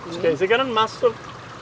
oke sekarang masuk